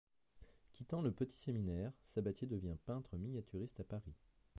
Quittant le petit séminaire, Sabatier devient peintre miniaturiste à Paris.